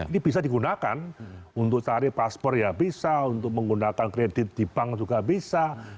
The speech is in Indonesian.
ini bisa digunakan untuk cari paspor ya bisa untuk menggunakan kredit di bank juga bisa